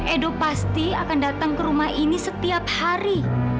edo pasti akan datang ke rumah ini setiap hari